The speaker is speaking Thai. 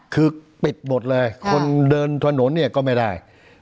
คือปิดหมดเลยคนเดินถนนเนี่ยก็ไม่ได้